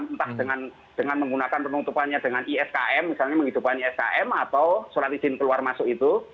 entah dengan menggunakan penutupannya dengan iskm misalnya menghidupkan iskm atau surat izin keluar masuk itu